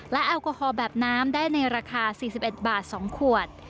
และแอลกอฮอลแบบน้ำได้ในราคา๔๑บาท๒ขวด